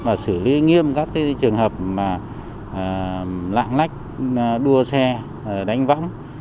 và xử lý nghiêm các trường hợp lạng lách đua xe đánh võng